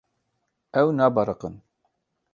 Ew nabiriqin.